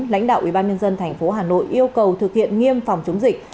lãnh đạo ubnd thành phố hà nội yêu cầu thực hiện nghiêm phòng chống dịch